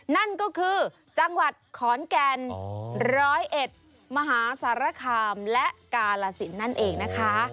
นั่นก็คือจังหวัดขอนแก่น๑๐๑มหาสารคามและกาลสินนั่นเองนะคะ